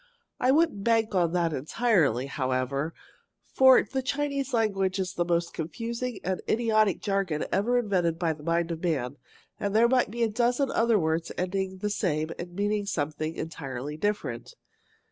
I wouldn't bank on that entirely, however, for the Chinese language is the most confusing and idiotic jargon ever invented by the mind of man, and there might be a dozen other words ending the same and meaning something entirely different.